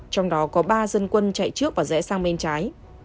trong đó có ba dân quân chạy trước và rẽ sang bên trái